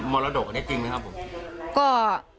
มรดกอันเนี่ยจริงหรือครับผม